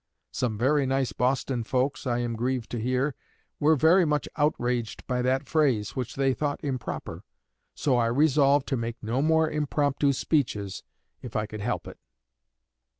Some very nice Boston folks, I am grieved to hear, were very much outraged by that phrase, which they thought improper. So I resolved to make no more impromptu speeches if I could help it.'"